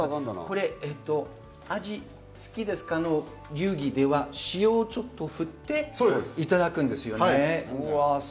「アジ好きですか？」の流儀では、塩をちょっと振っていただくんですよね。